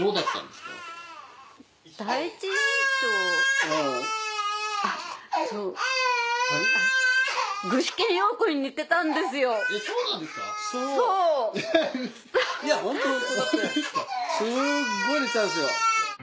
すごい似てたんですよ。